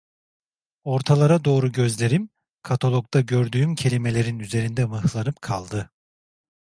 Ortalara doğru gözlerim, katalogda gördüğüm kelimelerin üzerinde mıhlanıp kaldı.